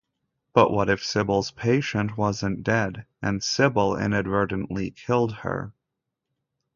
But what if Sibyl's patient wasn't dead-and Sibyl inadvertently killed her?